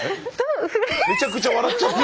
めちゃくちゃ笑っちゃって。